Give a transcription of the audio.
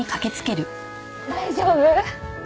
大丈夫？